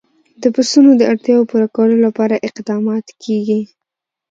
د پسونو د اړتیاوو پوره کولو لپاره اقدامات کېږي.